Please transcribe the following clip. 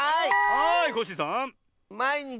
はいコッシーさん。